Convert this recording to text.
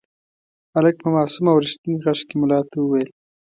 هلک په معصوم او رښتیني غږ کې ملا ته وویل.